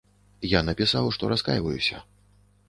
Я напісаў, што раскайваюся.